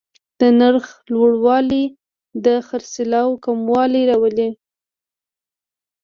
د نرخ لوړوالی د خرڅلاو کموالی راولي.